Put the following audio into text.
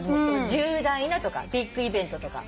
重大なとかビッグイベントとか。